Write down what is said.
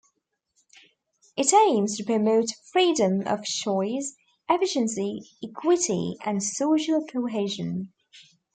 It aims to promote freedom of choice, efficiency, equity, and social cohesion.